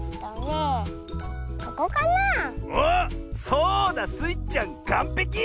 そうだスイちゃんかんぺき！